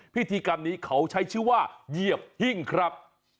พิธีกรรมนี้เขาใช้ชื่อว่าเหยียบหิ้งครับ